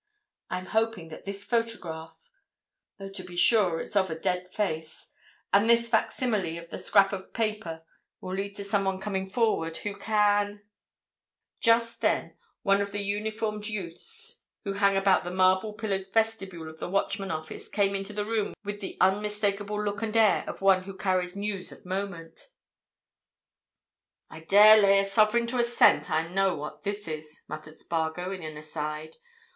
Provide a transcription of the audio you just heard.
I'm hoping that this photograph—though to be sure, it's of a dead face—and this facsimile of the scrap of paper will lead to somebody coming forward who can——" Just then one of the uniformed youths who hang about the marble pillared vestibule of the Watchman office came into the room with the unmistakable look and air of one who carries news of moment. "I dare lay a sovereign to a cent that I know what this is," muttered Spargo in an aside.